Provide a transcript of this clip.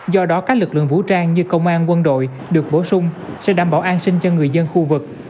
do đó các lực lượng vũ trang như công an quân đội được bổ sung sẽ đảm bảo an sinh cho người dân khu vực